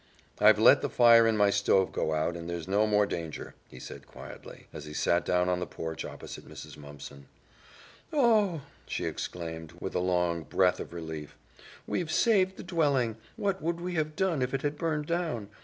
"I've let the fire in my stove go out, and there's no more danger," he said quietly, as he sat down on the porch opposite Mrs. Mumpson. "Oh h," she exclaimed, with a long breath of relief, "we've saved the dwelling. What would we have done if it had burned down!